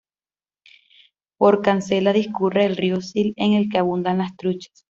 Por Cancela discurre el río Sil, en el que abundan las truchas.